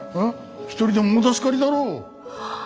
１人でも大助かりだろ。